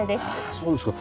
そうですか。